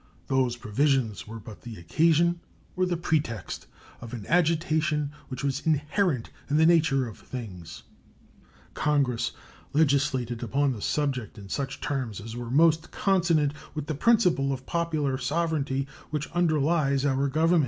Those provisions were but the occasion, or the pretext, of an agitation which was inherent in the nature of things. Congress legislated upon the subject in such terms as were most consonant with the principle of popular sovereignty which underlies our Government.